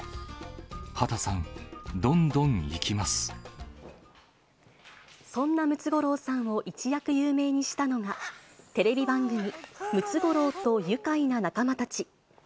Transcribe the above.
畑さん、そんなムツゴロウさんを一躍有名にしたのが、テレビ番組、ムツゴロウとゆかいな仲間たち。